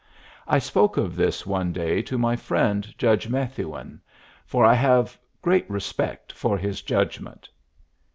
I spoke of this one day to my friend Judge Methuen, for I have great respect for his judgment.